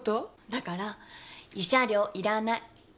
だから慰謝料いらない。